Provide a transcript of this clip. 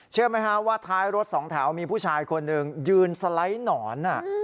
เชื่อไหมฮะว่าท้ายรถสองแถวมีผู้ชายคนหนึ่งยืนสไลด์หนอน